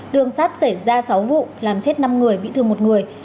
đường sắt xảy ra sáu vụ làm chết năm người bị thương một người